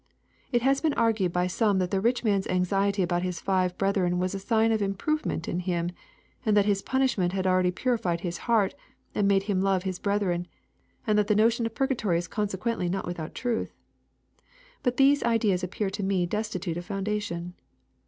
] It has been argued by some that the rich man's anxiety about his five brethren was a sign of improvement in him, and that his punishment had already purified his heart, and made him love his brethren, and that the notion of purgatory is consequently not without truth. Both these ideas appear to me destitute of foundation.